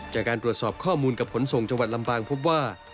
จากการตรวจสอบข้อมูลกับขนส่งจังหวัดลำปางพบว่า